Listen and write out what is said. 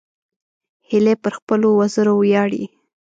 هیلۍ پر خپلو وزرو ویاړي